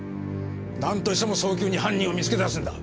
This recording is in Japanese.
なんとしても早急に犯人を見つけ出すんだ。